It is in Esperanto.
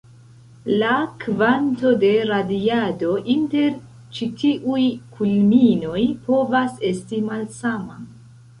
La kvanto de radiado inter ĉi tiuj kulminoj povas esti malsama.